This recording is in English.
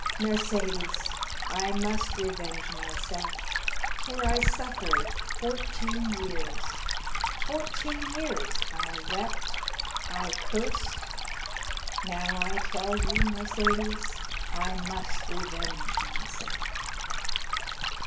Mercédès, I must revenge myself, for I suffered fourteen years,—fourteen years I wept, I cursed; now I tell you, Mercédès, I must revenge myself."